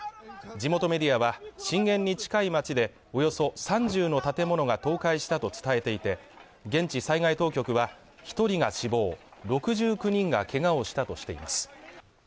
地元メディアは、震源に近い町でおよそ３０の建物が倒壊したと伝えていて、現地災害当局は、１人が死亡、６９人がけがをしたとしています。